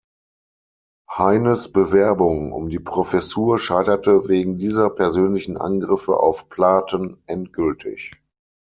Heines Bewerbung um die Professur scheiterte wegen dieser persönlichen Angriffe auf Platen endgültig.